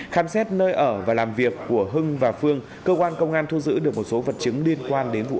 khám xét nơi ở và làm việc của hưng và phương cơ quan công an thu giữ được một số vật chứng liên quan đến vụ án